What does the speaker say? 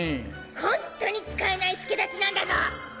ホントに使えない助太刀なんだゾ！